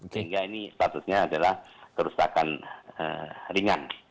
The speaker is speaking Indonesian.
sehingga ini statusnya adalah kerusakan ringan